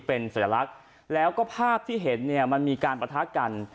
เป็นสัญลักษณ์แล้วก็ภาพที่เห็นเนี่ยมันมีการปะทะกัน